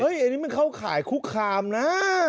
เฮ้ยไอ้นี่มันเข้าข่ายคุกคามนะ